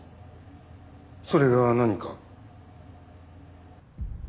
それが何か？